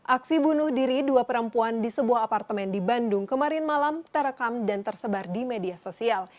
aksi bunuh diri dua perempuan di sebuah apartemen di bandung kemarin malam terekam dan tersebar di media sosial